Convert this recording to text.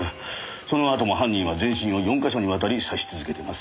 そのあとも犯人は全身を４か所にわたり刺し続けています。